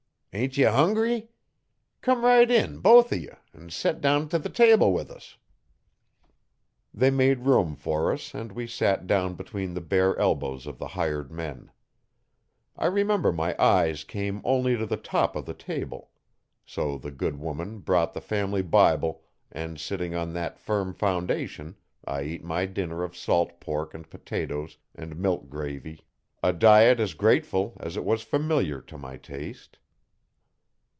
Ain't ye hungry? Come right in, both o' ye, an' set down t' the table with us.' They made room for us and we sat down between the bare elbows of the hired men. I remember my eyes came only to the top of the table. So the good woman brought the family Bible and sitting on that firm foundation I ate my dinner of salt pork and potatoes and milk gravy, a diet as grateful as it was familiar to my taste.